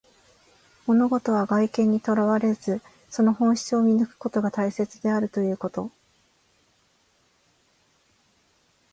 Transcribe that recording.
物事は外見にとらわれず、その本質を見抜くことが大切であるということ。